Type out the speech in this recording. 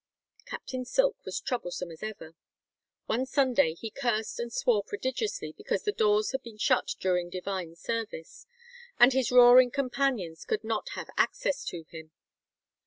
Captain Silk was troublesome as ever. One Sunday he cursed and swore prodigiously because the doors had been shut during divine service, and his roaring companions could not have access to him.